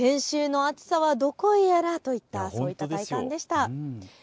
先週の暑さはどこへやらといったそういった体感でした。